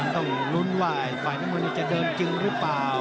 ต้องลุ้นว่าฝ่ายน้ำเงินจะเดินจริงหรือเปล่า